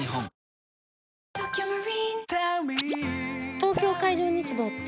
東京海上日動って？